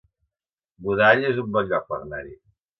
Godall es un bon lloc per anar-hi